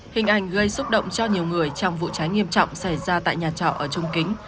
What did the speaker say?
hình ảnh gây xúc động cho nhiều người trong vụ cháy nghiêm trọng xảy ra tại nhà trọ ở trung kính